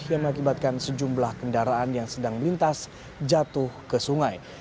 yang mengakibatkan sejumlah kendaraan yang sedang melintas jatuh ke sungai